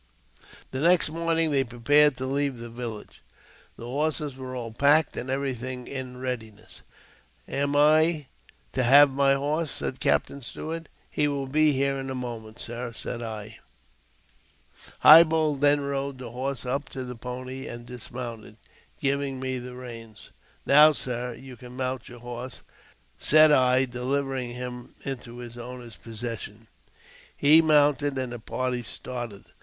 The next morning they prepared to leave the village. The horses were all packed, and everything in readiness. " Am I to have my horse? " said Captain Stuart. " He will be here in a moment, sir," said I. High Bull then rode the horse up to the party and dis mounted, giving me the reins. "Now, sir, you can mount your horse," said I, delivering him into his owner's possession. He mounted, and the party started.